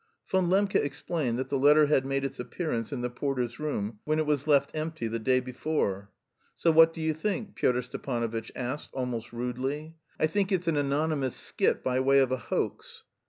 Von Lembke explained that the letter had made its appearance in the porter's room when it was left empty the day before. "So what do you think?" Pyotr Stepanovitch asked almost rudely. "I think it's an anonymous skit by way of a hoax."